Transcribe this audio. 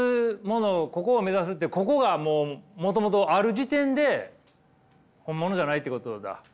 ここを目指すってここがもうもともとある時点で本物じゃないってことだ。